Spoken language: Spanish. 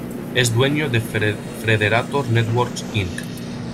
Es dueño de Frederator Networks, Inc.